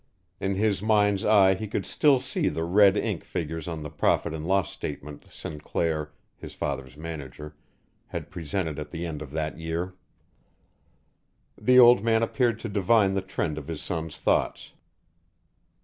In his mind's eye he could still see the red ink figures on the profit and loss statement Sinclair, his father's manager, had presented at the end of that year. The old man appeared to divine the trend of his son's thoughts.